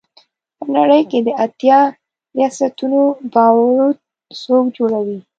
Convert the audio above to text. په نړۍ کې د اتیا ریاستونو بارود څوک جوړوي.